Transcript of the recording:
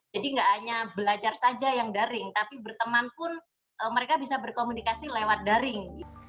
jadi tidak hanya belajar saja yang daring tapi berteman pun mereka bisa berkomunikasi lewat daring